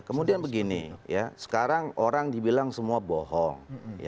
kemudian begini ya sekarang orang dibilang semua bohong